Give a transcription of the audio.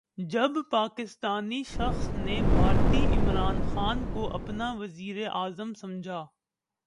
جب پاکستانی شخص نے بھارتی عمران خان کو اپنا وزیراعظم سمجھا